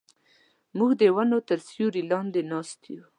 موږ د ونو تر سیوري لاندې ناست یو.